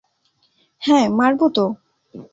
হ্যাঁ, মারব তো।